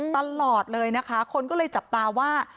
ตลอดเลยนะคะคนก็เลยจับตาว่า